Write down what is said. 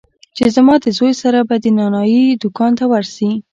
چې زما د زوى سره به د نايي دوکان ته ورشې.